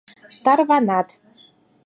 Тарванат